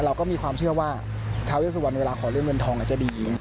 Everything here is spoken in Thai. เราก็มีความเชื่อว่าทาเวสวรรณเวลาขอเรื่องเงินทองอาจจะดี